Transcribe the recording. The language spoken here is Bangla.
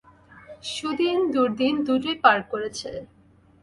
সুদিন দুর্দিন দুটোই পার করেছে।